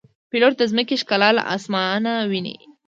پیلوټ د ځمکې ښکلا له آسمانه ویني.